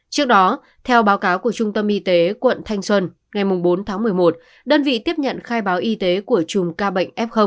trước đó theo báo cáo của trung tâm y tế quận thanh xuân ngày bốn tháng một mươi một đơn vị tiếp nhận khai báo y tế của chùm ca bệnh f